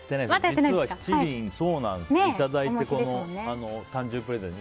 実は七輪をいただいて誕生日プレゼント